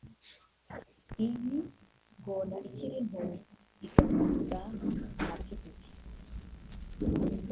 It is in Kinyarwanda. Iyi ngona ikiri nto igaburibwa amafi gusa